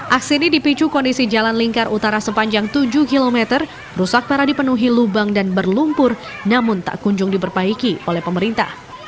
aksi ini dipicu kondisi jalan lingkar utara sepanjang tujuh km rusak para dipenuhi lubang dan berlumpur namun tak kunjung diperbaiki oleh pemerintah